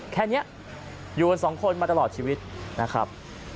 แค่นี้อยู่กันสองคนมาตลอดชีวิตนะครับ